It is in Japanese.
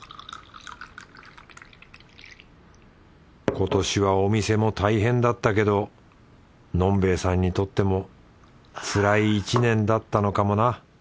今年はお店も大変だったけどのん兵衛さんにとってもつらい一年だったのかもな。